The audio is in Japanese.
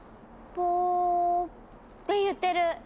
「ポー」っていってる。